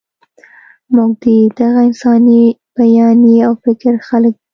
موږ د دغه انساني بیانیې او فکر خلک یو.